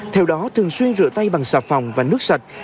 theo đó thường xuyên rửa tay bằng xà phòng và nước sạch